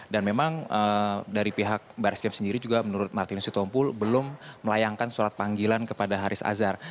dan memang dari pihak baris krim sendiri juga menurut martinus hitompul belum melayangkan surat panggilan kepada haris azhar